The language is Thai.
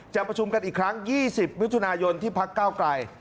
ประชุมกันอีกครั้ง๒๐มิถุนายนที่พักเก้าไกล